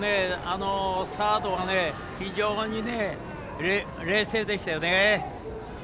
サードが非常に冷静でしたよね。